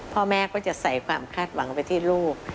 พ่อแม่ก็จะใส่ความคาดหวังไปที่ลูก